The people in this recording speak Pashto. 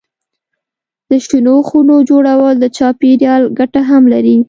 د شنو خونو جوړول د چاپېریال ګټه هم لري.